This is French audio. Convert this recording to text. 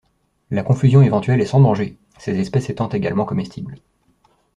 La confusion éventuelle est sans danger, ces espèces étant également comestibles.